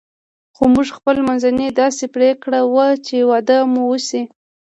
خو موږ خپل منځي داسې پرېکړه کړې وه چې واده مو شوی.